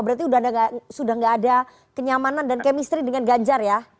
berarti sudah tidak ada kenyamanan dan kemistri dengan ganjar ya